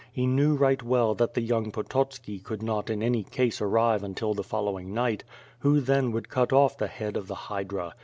He knew right well that the young Pototski could not in any case arrive until the following night; who then would cut off the head of the hydra?